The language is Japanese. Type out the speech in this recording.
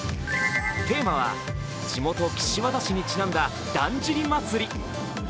テーマは、地元・岸和田市にちなんだ、だんじり祭。